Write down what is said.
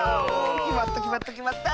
きまったきまったきまった！